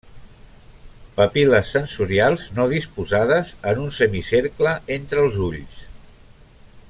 Papil·les sensorials no disposades en un semicercle entre els ulls.